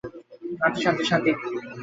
শান্তি, শান্তি, শান্তি।